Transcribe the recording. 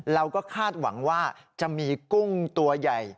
เราก็คาดหวังว่าจะมีกุ้งตัวใหญ่